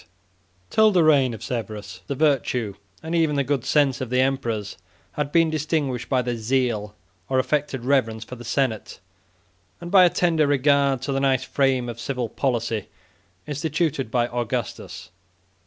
] Till the reign of Severus, the virtue and even the good sense of the emperors had been distinguished by their zeal or affected reverence for the senate, and by a tender regard to the nice frame of civil policy instituted by Augustus.